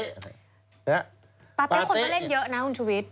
ปาเต้คนว่าเล่นเยอะนะคุณชวิต